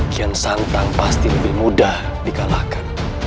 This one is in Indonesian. kian santang pasti lebih mudah dikalahkan